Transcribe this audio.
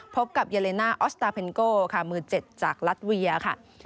พบกับเยเลน่าออสตาเพนโกค่ะมือ๗จากรัฐเวียค่ะ